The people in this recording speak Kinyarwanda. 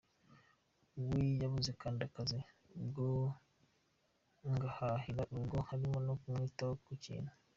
we yabuze akandi kazi; ubwo ngahahira urugo harimo no kumwitaho ku kintu.